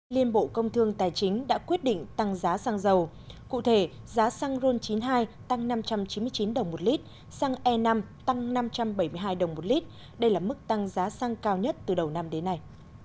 liên bộ công thương tài chính đã quyết định tăng giá xăng dầu cụ thể giá xăng ron chín mươi hai tăng năm trăm chín mươi chín đồng một lít xăng e năm tăng năm trăm bảy mươi hai đồng một lít đây là mức tăng giá xăng cao nhất từ đầu năm đến nay